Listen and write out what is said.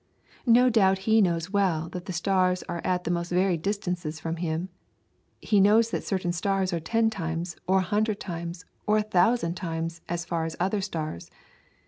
No doubt he knows well that the stars are at the most varied distances from him; he knows that certain stars are ten times, or a hundred times, or a thousand times, as far as other stars.